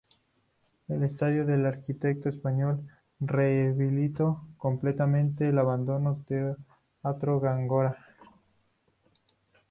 El estudio del arquitecto español rehabilitó completamente el abandonado Teatro Góngora.